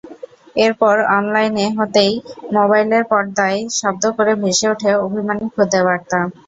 এরপর অনলাইন হতেই মোবাইলের পর্দায় শব্দ করে ভেসে ওঠে অভিমানী খুদে বার্তা।